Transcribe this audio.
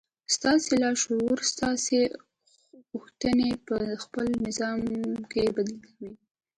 ستاسې لاشعور ستاسې غوښتنې په خپل نظام کې بدلوي.